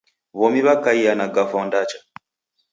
W'omi w'akaia na gafwa ndacha.